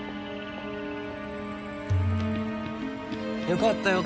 よかったよ